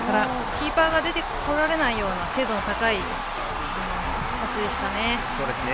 キーパーが出てこられないような精度の高いパスでしたね。